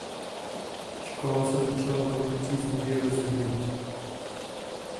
Škola se začala velmi příznivě rozvíjet.